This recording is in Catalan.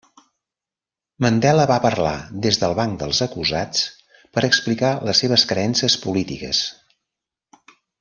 Mandela va parlar des del banc dels acusats per explicar les seves creences polítiques.